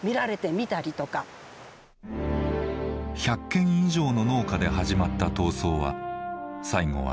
１００軒以上の農家で始まった闘争は最後は２３軒。